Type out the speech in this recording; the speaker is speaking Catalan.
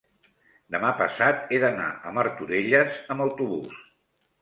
demà passat he d'anar a Martorelles amb autobús.